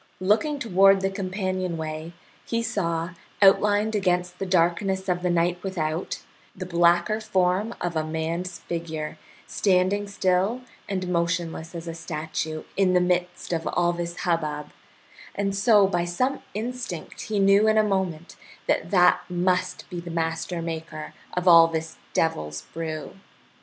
Looking toward the companionway, he saw, outlined against the darkness of the night without, the blacker form of a man's figure, standing still and motionless as a statue in the midst of all this hubbub, and so by some instinct he knew in a moment that that must be the master maker of all this devil's brew.